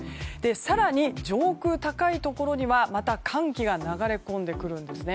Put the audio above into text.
更に上空高いところには、また寒気が流れ込んでくるんです。